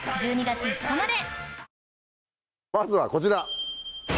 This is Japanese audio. まずはこちら。